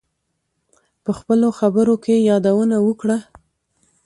په خپلو خبرو کې یادونه وکړه.